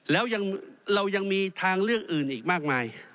แล้วเรายังมีทางเลือกอื่นอีกมากมาย